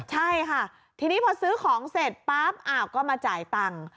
ใช่ค่ะทีนี้พอซื้อของเสร็จปั๊บก็มาจ่ายตังค์